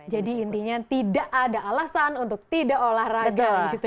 jadi intinya tidak ada alasan untuk tidak olahraga